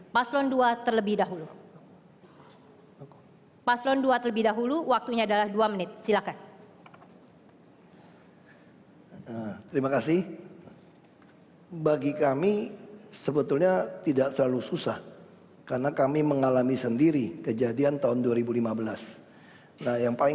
paslon dua terlebih dahulu